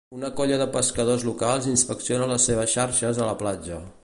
Una colla de pescadors locals inspecciona les seves xarxes a la platja